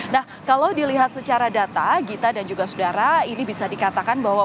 nah kalau dilihat secara data gita dan juga saudara ini bisa dikatakan bahwa